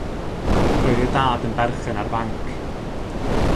Roedd ei dad yn berchen ar fanc.